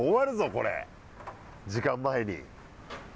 時間前に。